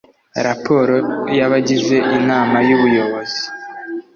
raporo y abagize inama y ububoyozi